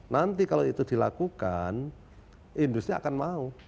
nanti kalau itu dilakukan industri akan mau